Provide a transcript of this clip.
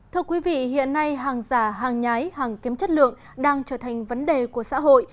thưa quý vị hiện nay hàng giả hàng nhái hàng kém chất lượng đang trở thành vấn đề của xã hội